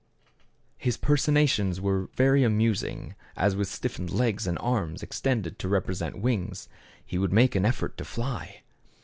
His personations were very amusing, as with stiffened legs and arms extended to represent wings, he would make an effort to fly.